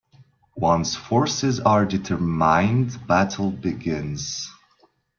Once Forces are determined, the battle begins.